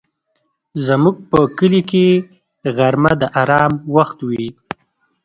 زموږ په کلي کې غرمه د آرام وخت وي